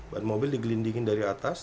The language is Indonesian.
ban mobil digelindingin dari atas